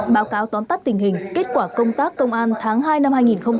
báo cáo tóm tắt tình hình kết quả công tác công an tháng hai năm hai nghìn hai mươi ba